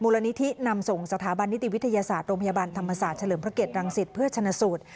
ละนิธินำส่งสถาบันนิติวิทยาศาสตร์โรงพยาบาลธรรมศาสตร์เฉลิมพระเกตรังสิตเพื่อชนะสูตร